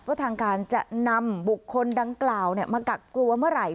ว่าทางการจะนำบุคคลดังกล่าวมากักกลัวเมื่อไหร่